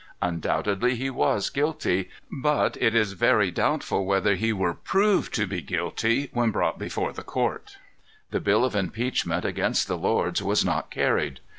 Undoubtedly he was guilty. But it is very doubtful whether he were proved to be guilty when called before the court. The bill of impeachment against the lords was not carried.